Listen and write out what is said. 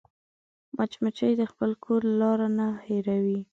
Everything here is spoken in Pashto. مچمچۍ د خپل کور لار نه هېروي